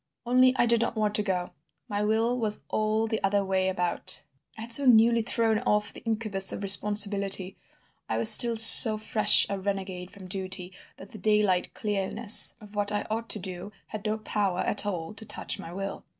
"Only I did not want to go; my will was all the other way about. I had so newly thrown off the incubus of responsibility: I was still so fresh a renegade from duty that the daylight clearness of what I ought to do had no power at all to touch my will.